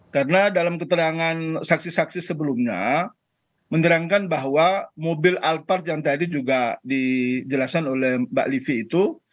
karena dalam keterangan saksi saksi sebelumnya menerangkan bahwa mobil alphard yang tadi juga dijelasin oleh mbak livi itu